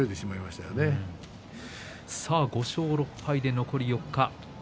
５勝６敗で、残り４日。